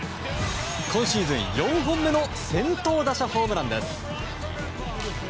今シーズン４本目の先頭打者ホームランです。